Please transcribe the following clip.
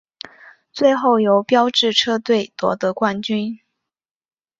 最后由标致车队夺得冠军。